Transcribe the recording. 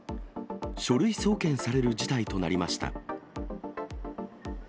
書類送検される事態となりました。